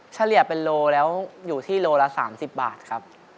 เฉลี่ยเป็นโลแล้วอยู่ที่โลละ๓๐บาทครับ